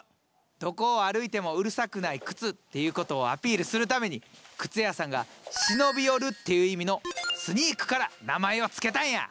どこを歩いてもうるさくない靴っていうことをアピールするために靴屋さんが「忍び寄る」っていう意味の「スニーク」から名前を付けたんや。